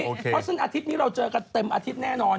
เพราะฉะนั้นอาทิตย์นี้เราเจอกันเต็มอาทิตย์แน่นอน